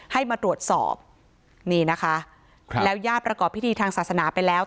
ให้มาตรวจสอบนี่นะคะครับแล้วญาติประกอบพิธีทางศาสนาไปแล้ว